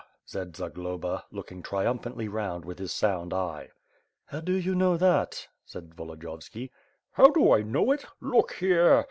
said Zagloba, looking triumphantly round with his sound eye. "How do you know that?" said Volodiyovski. "How do I know it? Look here!